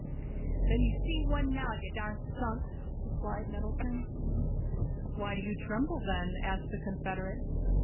"Then you see one now, you darn skunk," replied Nettleton. "Why do you tremble, then?" asked the Confederate.